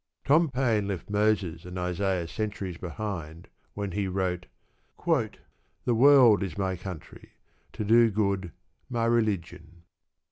Tom Paine left Moses and Isaiah centuries behind when he wrote: The world is my country: to do good my religion.